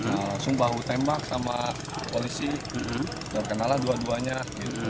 nah langsung bahu tembak sama polisi terkenalah dua duanya